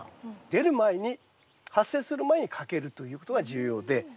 出る前に発生する前にかけるということが重要で。